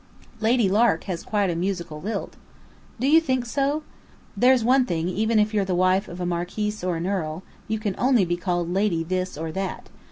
"Lady Lark has quite a musical lilt." "Do you think so? There's one thing, even if you're the wife of a marquis or an earl, you can only be called 'Lady' This or That.